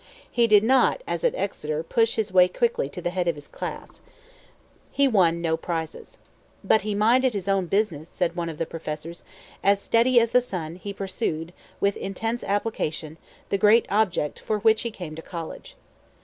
He did not, as at Exeter, push his way quickly to the head of his class. He won no prizes. "But he minded his own business," said one of the professors. "As steady as the sun, he pursued, with intense application, the great object for which he came to college."